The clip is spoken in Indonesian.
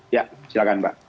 ya silahkan mbak